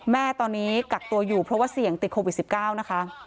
แม่ตอนนี้กักตัวอยู่เพราะว่าเสี่ยงติดโควิด๑๙นะคะ